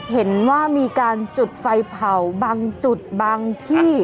เห็นว่ามีการจุดไฟเผาบางจุดบางที่